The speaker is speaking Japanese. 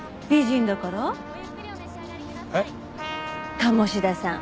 鴨志田さん